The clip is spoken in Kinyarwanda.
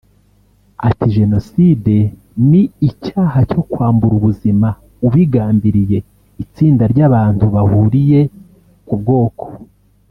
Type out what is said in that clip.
Ati "Jenoside ni icyaha cyo kwambura ubuzima ubigambiriye itsinda ry’abantu bahuriye ku bwoko